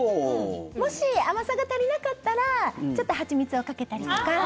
もし甘さが足りなかったらちょっとハチミツをかけたりとか。